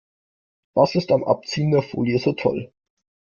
Was ist am Abziehen der Folie so toll?